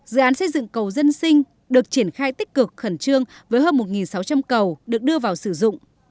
dự án xây dựng cầu dân sinh được triển khai tích cực khẩn trương với hơn một sáu trăm linh cầu được đưa vào sử dụng